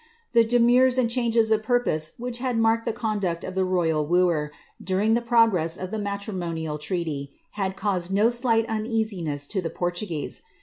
lemurs and changes of purpose which had marked the conduct oyal wooer, during the progress of the matrimonial treaty, had lo slight uneasiness to the Portuguese.